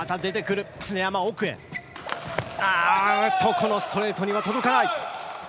このストレートには届かない。